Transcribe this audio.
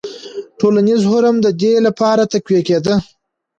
ټولنیز هرم د دې لپاره تقویه کېده.